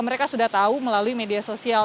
mereka sudah tahu melalui media sosial